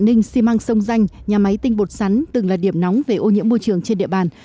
ninh xi măng sông danh nhà máy tinh bột sắn từng là điểm nóng về ô nhiễm môi trường trên địa bàn